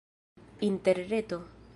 interreto